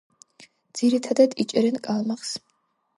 ძირითადად იჭერენ კალმახს.